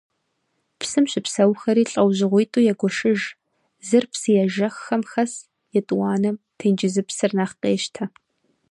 Псым щыпсэухэри лӏэужьыгъуитӏу егуэшыж: зыр псыежэххэм хэсщ, етӏуанэм тенджызыпсыр нэхъ къещтэ.